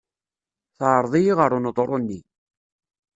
Teɛreḍ-iyi ɣer uneḍru-nni.